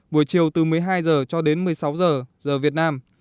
buổi chiều từ một mươi hai h cho đến một mươi sáu giờ giờ việt nam